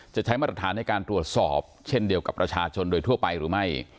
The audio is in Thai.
จะใช้มาตรฐานในการตรวจสอบเช่นเดียวกับประชาชนโดยทั่วไปหรือไม่